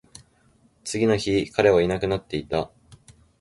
次の日、彼はいなくなっていた